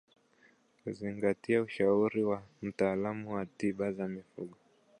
Kuzingatia ushauri wa wataalamu wa tiba za mifugo